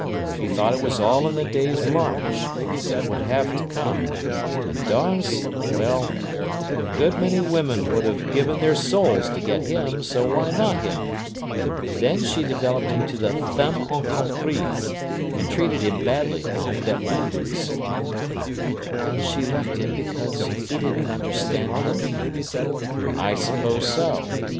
She thought it was all in the day's march—it would have to come—and Dawes—well, a good many women would have given their souls to get him; so why not him? Then she developed into the femme incomprise, and treated him badly, I'll bet my boots." "And she left him because he didn't understand her?" "I suppose so.